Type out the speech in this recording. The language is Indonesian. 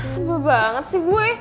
sebel banget sih gue